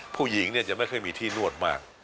ผู้หญิงจะไม่เคยมีที่นวดมาก